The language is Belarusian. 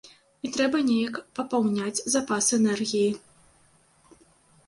І трэба неяк папаўняць запас энергіі.